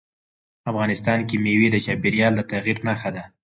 افغانستان کې مېوې د چاپېریال د تغیر نښه ده.